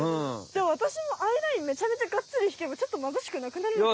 じゃあわたしもアイラインめちゃめちゃがっつり引けばちょっとまぶしくなくなるよね？